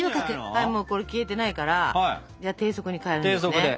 はいこれもう消えてないからじゃあ低速に変えるんですね。